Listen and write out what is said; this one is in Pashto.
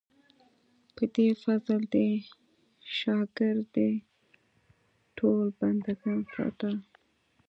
په دې فضل دې شاګر دي ټول بندګان ستا.